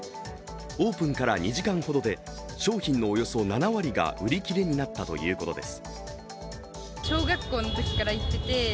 オープンから２時間ほどで商品のおよそ７割が売り切れになったということです。